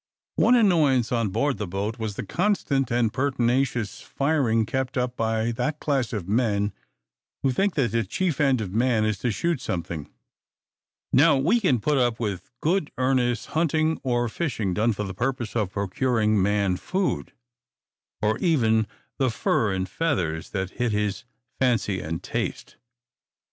One annoyance on board the boat was the constant and pertinacious firing kept up by that class of men who think that the chief end of man is to shoot something. Now, we can put up with good earnest hunting or fishing done for the purpose of procuring for man food, or even the fur and feathers that hit his fancy and taste.